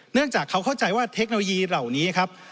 เนื่องจากเขาเข้าใจว่าเทคโนโลยีเหล่านี้ครับ